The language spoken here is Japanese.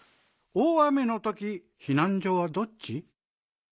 大雨のときひなんじょはどっち？